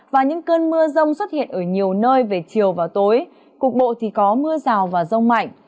và những cơn mưa rông xuất hiện ở nhiều nơi về chiều và tối cục bộ thì có mưa rào và rông mạnh